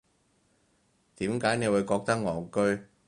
點解你會覺得戇居